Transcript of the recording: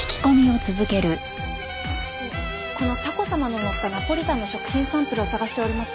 このタコ様ののったナポリタンの食品サンプルを捜しております。